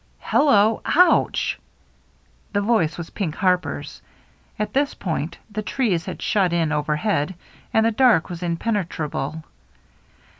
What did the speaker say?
"Hello — ouch!" The voice was Pink Harper's. At this point the trees had shut in overhead, and the dark was impenetrable.